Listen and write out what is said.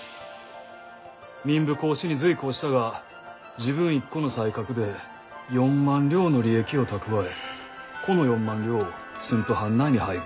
民部公子に随行したが自分一個の才覚で４万両の利益を蓄えこの４万両を駿府藩内に配分」。